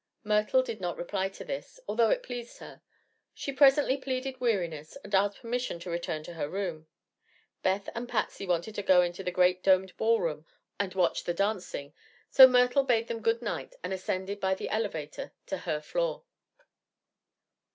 Myrtle did not reply to this, although it pleased her. She presently pleaded weariness and asked permission to return to her room. Beth and Patsy wanted to go into the great domed ballroom and watch the dancing; so Myrtle bade them good night and ascended by the elevator to her floor.